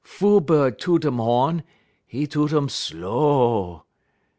Fool bud toot um ho'n; 'e toot um slow.